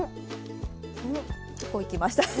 結構いきましたね。